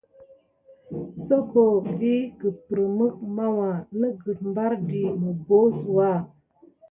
Soko vikeppremk màwuà nəgət mbardi mubosuwa.